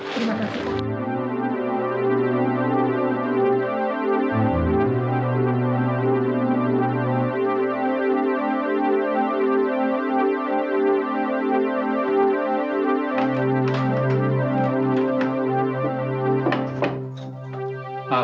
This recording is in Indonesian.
terima kasih pak